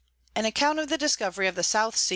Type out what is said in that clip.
[Sidenote: _Account of the Discovery of the South Sea.